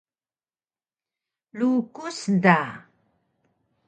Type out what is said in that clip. Sayang do mlukus suyang bi lukus da